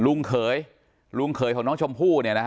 เขยลุงเขยของน้องชมพู่เนี่ยนะ